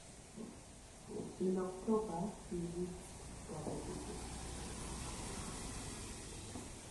In October he reached double digits.